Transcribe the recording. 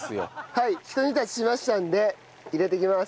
はいひと煮立ちしましたんで入れていきます。